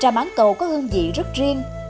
trà mảng cầu có hương vị rất riêng